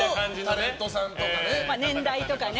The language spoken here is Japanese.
年代とかね